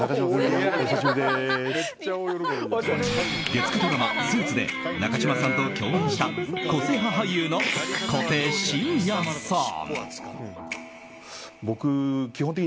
月９ドラマ「ＳＵＩＴＳ／スーツ」で中島さんと共演した個性派俳優の小手伸也さん。